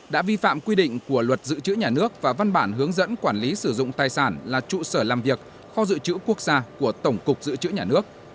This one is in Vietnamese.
đã vi phạm quy định của luật dự trữ nhà nước và văn bản hướng dẫn quản lý sử dụng tài sản là trụ sở làm việc kho dự trữ quốc gia của tổng cục dự trữ nhà nước